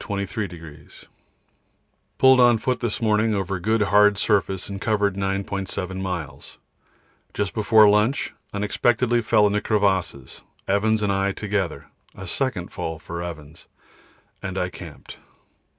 Pulled on foot in the morning over good hard surface and covered 9.7 miles. Just before lunch unexpectedly fell into crevasses, Evans and I together a second fall for Evans, and I camped.